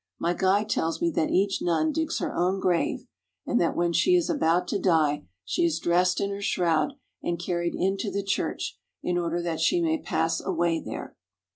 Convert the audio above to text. My guide tells me that each nun digs her own grave, and that when she is about to die she is dressed in her shroud and carried into the church in order that she may pass away there.